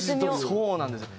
そうなんですよ。